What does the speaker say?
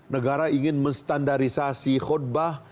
negara ingin menestandarisasi khutbah